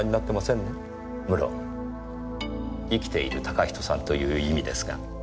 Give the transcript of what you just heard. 無論生きている嵩人さんという意味ですが。